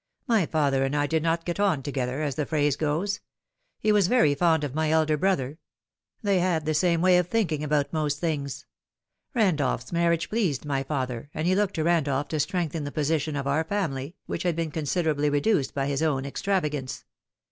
" My father and I did not get on together, as the phrase goes. He was very fond of my elder brother. They had the same way of thinking about most things. Randolph's marriage pleased my father, and he looked to Randolph to strengthen the posi tion of our family, which had been considerably reduced by his own extravagance.